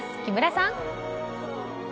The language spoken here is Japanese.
木村さん。